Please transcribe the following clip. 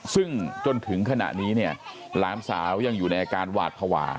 ซึ่งจนถึงขณะนี้เนี่ยหลานสาวยังอยู่ในอาการหวาดภาวะ